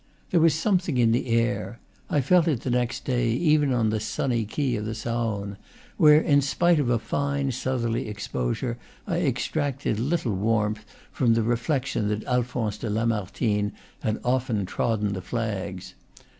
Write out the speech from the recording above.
There was something in the air; I felt it the next day, even on the sunny quay of the Saone, where in spite of a fine southerly exposure I extracted little warmth from the reflection that Alphonse de Lamartine had often trod den the flags.